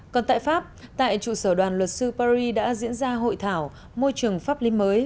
còn tại pháp tại trụ sở đoàn luật sư paris đã diễn ra hội thảo môi trường pháp lý mới